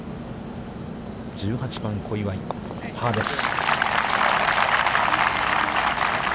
１８番、小祝、パーです。